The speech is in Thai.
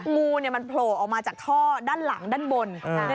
งูมันโผล่ออกมาจากท่อด้านหลังด้านบน